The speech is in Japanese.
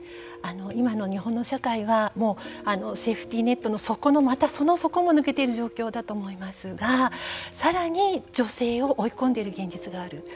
今の日本の社会はもうセーフティーネットの底のまたその底も抜けていく状況だと思いますがさらに女性を追い込んでいる現実がある。